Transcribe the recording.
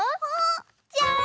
じゃん！